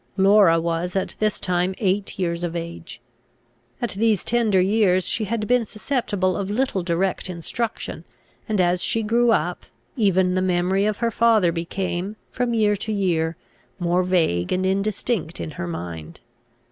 Laura was at this time eight years of age. At these tender years she had been susceptible of little direct instruction; and, as she grew up, even the memory of her father became, from year to year, more vague and indistinct in her mind.